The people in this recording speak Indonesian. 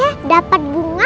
masal rada romantis juga